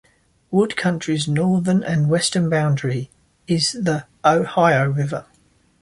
Wood County's northern and western boundary is the Ohio River.